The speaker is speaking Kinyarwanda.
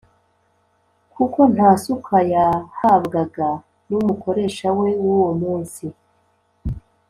kuko nta suka yahabwaga n' umukoresha we w' uwo munsi,